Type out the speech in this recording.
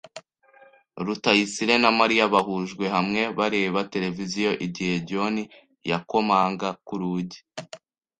Rutayisire na Mariya bahujwe hamwe bareba televiziyo igihe John yakomanga ku rugi.